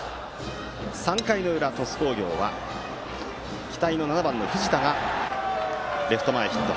３回の裏、鳥栖工業は期待の７番、藤田がレフト前ヒット。